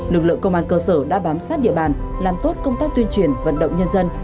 lực lượng công an cơ sở đã bám sát địa bàn làm tốt công tác tuyên truyền vận động nhân dân